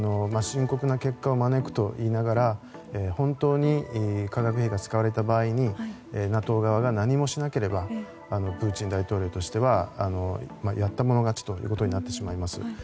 深刻な結果を招くと言いながら本当に化学兵器が使われた場合にＮＡＴＯ側が何もしなければプーチン大統領とすればやったもの勝ちということになってしまいます。